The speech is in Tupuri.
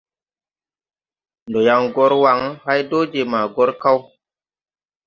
Ndɔ yaŋ gɔr Waŋ hay dɔɔ je maa gɔr kaw.